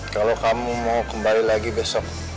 kalau kamu mau kembali lagi besok